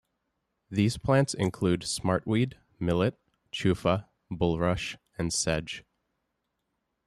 These plants include smartweed, millet, chufa, bulrush, and sedge.